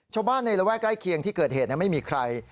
ชาวบ้านในระแวกใกล้เคียงที่เกิดเหตุไม่มีใคร